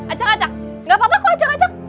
acak acak gak apa apa kok acak acak